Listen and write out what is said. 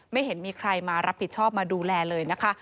ไม่เห็นมีใครมารับผิดชอบมาดูแลเลยนะคะ